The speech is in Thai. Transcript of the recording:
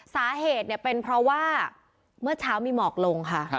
สาเหตุเนี่ยเป็นเพราะว่าเมื่อเช้ามีหมอกลงค่ะ